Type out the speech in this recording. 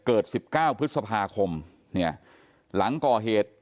เกิดสิบเก้าพฤษภาคมเนี่ยหลังก่อเหตุ